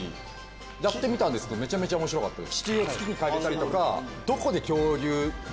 やってみたんですけどめちゃめちゃ面白かったです。